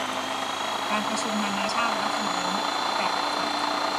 การประชุมนานาชาติลักษณะนี้แต่ละครั้ง